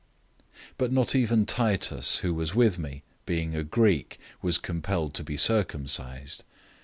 002:003 But not even Titus, who was with me, being a Greek, was compelled to be circumcised.